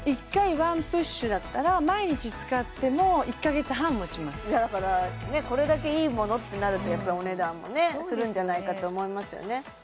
１回１プッシュだったら毎日使っても１カ月半もちますだからこれだけいいものってなるとやっぱりお値段もねするんじゃないかなと思いますよね